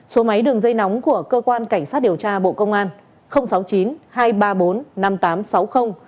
số máy đường dây nóng của cơ quan cảnh sát điều tra bộ công an sáu mươi chín hai trăm ba mươi bốn năm nghìn tám trăm sáu mươi